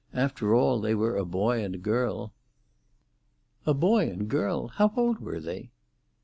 After all, they were a boy and girl." "A boy and girl! How old were they?"